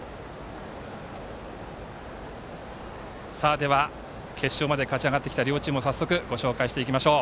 では決勝まで勝ち上がってきた両チームを早速、ご紹介していきましょう。